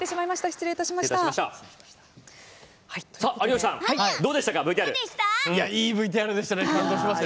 失礼いたしました。